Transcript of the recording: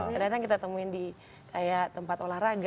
kadang kadang kita temuin di kayak tempat olahraga